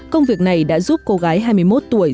công việc này đã giúp cô gái hai mươi một tuổi